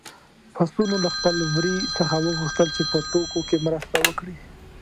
پسونو له خپل وري څخه وغوښتل چې په ټوکو کې مرسته وکړي.